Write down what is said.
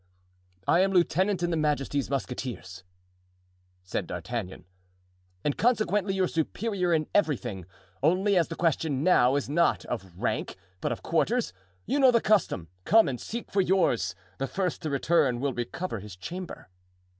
"I am lieutenant in his majesty's musketeers," said D'Artagnan, "and consequently your superior in everything; only, as the question now is not of rank, but of quarters—you know the custom—come and seek for yours; the first to return will recover his chamber."